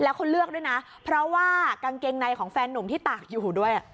แล้วเขาเลือกด้วยนะเพราะว่ากางเกงในของแฟนหนุ่มที่ตากอยู่ด้วย